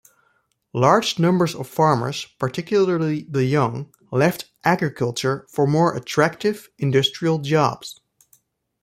Large numbers of farmers, particularly the young, left agriculture for more attractive industrial jobs.